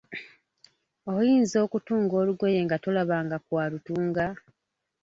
Oyinza okutunga olugoye nga tolabanga ku alutunga?